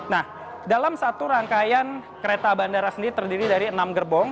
nah dalam satu rangkaian kereta bandara sendiri terdiri dari enam gerbong